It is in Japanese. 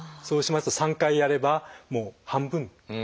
そうしますと３回やればもう半分。